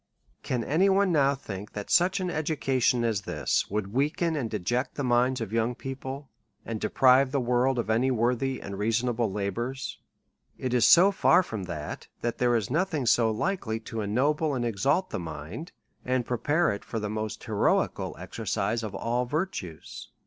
Can any one now think that such an education as this would weaken and deject the minds of young peo ple, and deprive the world of any worthy and reason able labours? It is so far from that, that there is nothing so likely to ennoble and exalt the mind, and prepare it for the inost heroical exercise of all virtues.